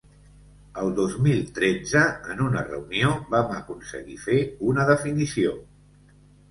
El dos mil tretze, en una reunió, vam aconseguir fer una definició.